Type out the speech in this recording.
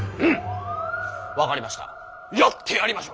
分かりました。